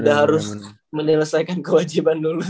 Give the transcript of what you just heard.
udah harus menyelesaikan kewajiban dulu